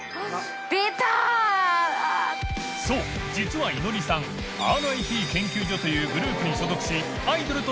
磴修実はいのりさん．Ｉ．Ｐ．研究所というグループに所属し▲ぅ疋襪箸